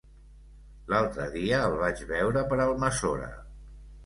L'altre dia el vaig veure per Almassora.